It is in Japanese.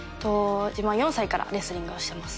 自分は４歳からレスリングをしてます。